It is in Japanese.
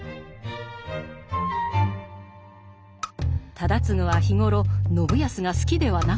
忠次は日頃信康が好きではなかった。